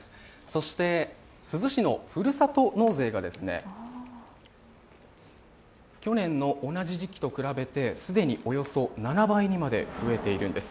そして、珠洲市のふるさと納税が去年の同じ時期と比べて、既におよそ７倍にまで増えているんです。